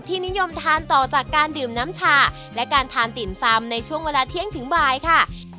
นิยมทานต่อจากการดื่มน้ำชาและการทานติ่มซำในช่วงเวลาเที่ยงถึงบ่ายค่ะ